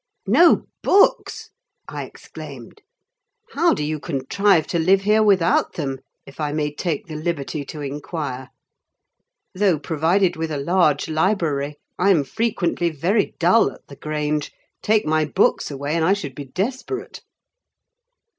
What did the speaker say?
"No books!" I exclaimed. "How do you contrive to live here without them? if I may take the liberty to inquire. Though provided with a large library, I'm frequently very dull at the Grange; take my books away, and I should be desperate!"